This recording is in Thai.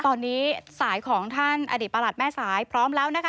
ตอนนี้สายของท่านอดีตประหลัดแม่สายพร้อมแล้วนะคะ